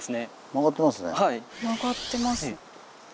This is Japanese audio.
曲がってます。